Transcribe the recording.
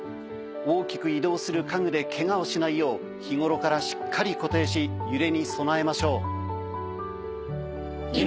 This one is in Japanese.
大きく移動する家具でけがをしないよう日頃からしっかり固定し揺れに備えましょう。